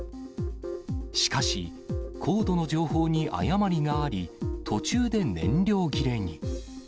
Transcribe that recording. しかし、高度の情報に誤りがあり、途中で燃料切れに。